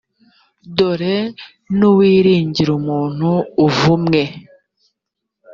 dore n uwiringiraga umuntu avumwe